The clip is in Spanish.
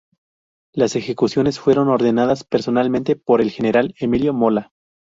Las ejecuciones fueron ordenadas personalmente por el general Emilio Mola.